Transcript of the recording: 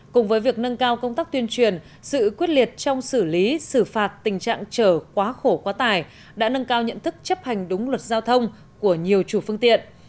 cùng với việc nâng cao công tác tuyên truyền sự quyết liệt trong xử lý xử phạt tình trạng trở quá khổ quá tài đã nâng cao nhận thức chấp hành đúng luật giao thông của nhiều chủ phương tiện